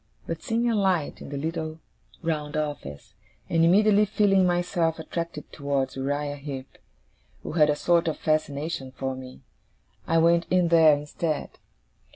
But, seeing a light in the little round office, and immediately feeling myself attracted towards Uriah Heep, who had a sort of fascination for me, I went in there instead.